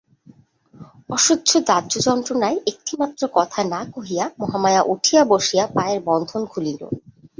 অসহ্য দাহযন্ত্রণায় একটিমাত্র কথা না কহিয়া, মহামায়া উঠিয়া বসিয়া পায়ের বন্ধন খুলিল।